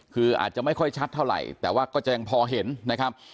คืออาจจะไม่ค่อยชัดเท่าไหร่แต่ว่าก็จะยังพอเห็นนะครับ